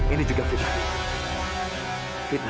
ini juga fitnah fitnah